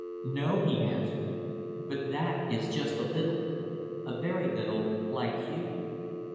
"No," he answered. "But that is just a little, a very little, like you."